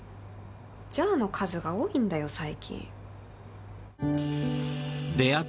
「じゃあ」の数が多いんだよ